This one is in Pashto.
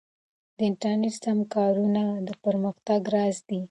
د انټرنیټ سمه کارونه د پرمختګ راز دی.